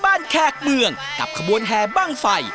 แขกเมืองกับขบวนแห่บ้างไฟ